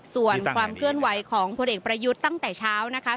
ส่วนความเคลื่อนไหวของพลเอกประยุทธ์ตั้งแต่เช้านะคะ